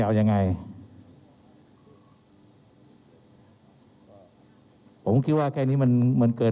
เรามีการปิดบันทึกจับกลุ่มเขาหรือหลังเกิดเหตุแล้วเนี่ย